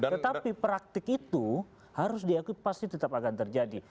tetapi praktik itu harus diakui pasti tetap akan terjadi